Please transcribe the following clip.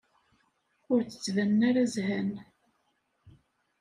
Ur d-ttbanen ara zhan.